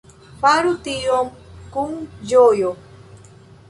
Faru tion kun ĝojo.